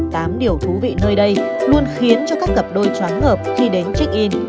tám điều thú vị nơi đây luôn khiến cho các cặp đôi chóng ngợp khi đến check in